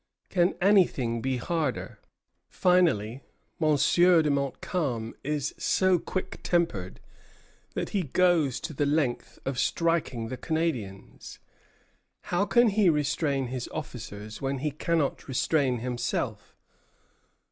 Can anything be harder? Finally, Monsieur de Montcalm is so quick tempered that he goes to the length of striking the Canadians. How can he restrain his officers when he cannot restrain himself?